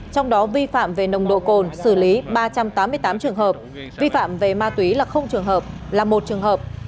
trong đó vi phạm về nồng độ cồn xử lý ba trăm tám mươi tám trường hợp vi phạm về ma túy là trường hợp là một trường hợp